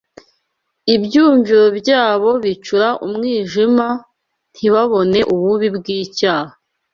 Ibyumviro byabo bicura umwijima, ntibabone ububi bw’icyaha